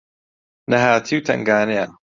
نەهاتی و تەنگانەیە